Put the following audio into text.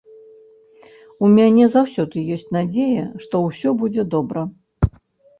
У мяне заўсёды ёсць надзея, што ўсё будзе добра.